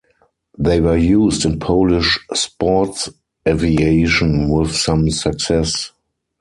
They were used in Polish sports aviation, with some success.